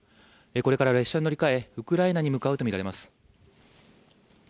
これから列車に乗り換え、ウクライナに向かうとみられます。